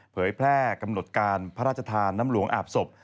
เผยแพร่กำหนดการพระราชทานน้ำหลวงอาบศพ